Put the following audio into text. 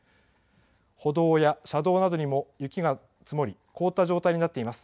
歩道や車道などにも、雪が積もり凍った状態になっています。